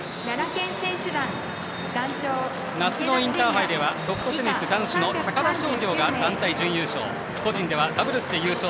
夏のインターハイではソフトテニス男子の高田商業が団体準優勝。